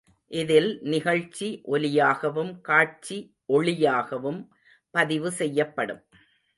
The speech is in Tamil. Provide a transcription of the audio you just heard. இதில் நிகழ்ச்சி ஒலியாகவும் காட்சி ஒளியாகவும் பதிவு செய்யப்படும்.